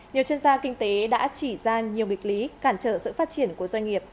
nhiều chuyên gia kinh tế đã chỉ ra nhiều nghịch lý cản trở sự phát triển của doanh nghiệp